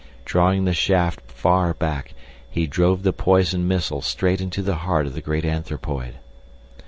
Drawing the shaft far back he drove the poisoned missile straight into the heart of the great anthropoid.